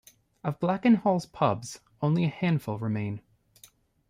Of Blakenhall's pubs, only a handful remain.